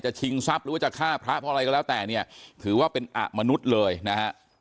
ชิงทรัพย์หรือว่าจะฆ่าพระเพราะอะไรก็แล้วแต่เนี่ยถือว่าเป็นอะมนุษย์เลยนะฮะ